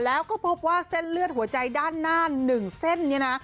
แล้วก็พบว่าเส้นเลือดหัวใจด้านหน้า๑เส้นนี้นะ